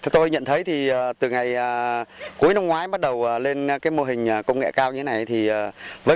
tôi nhận thấy từ ngày cuối năm ngoái bắt đầu lên mô hình công nghệ cao như thế này